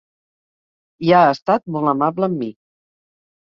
I ha estat molt amable amb mi.